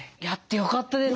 よかったです。